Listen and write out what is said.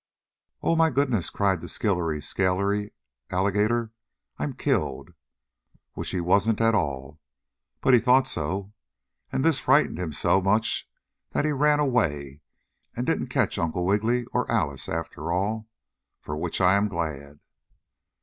"Oh, my goodness!" cried the skillery scalery alligator. "I'm killed!" Which he wasn't at all, but he thought so, and this frightened him so much that he ran away and didn't catch Uncle Wiggily or Alice after all, for which I'm glad.